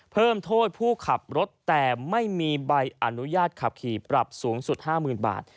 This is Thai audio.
เพิ่มโทษผู้ขับรถแต่ไม่มีใบอนุญาตขับขี่ปรับสูงสุด๕๐๐๐บาท